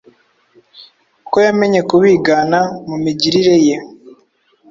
ko yamenye kubigana mu migirire ye,